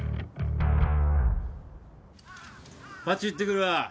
パチ行ってくるわ。